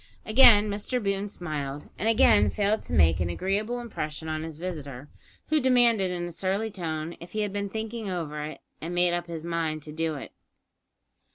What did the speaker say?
Again Mr Boone smiled, and again failed to make an agreeable impression on his visitor, who demanded in a surly tone if he had been thinking over it, and made up his mind to do it.